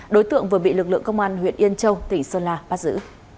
đối tượng vừa bị lực lượng công an huyện yên châu tỉnh sơn la bắt giữ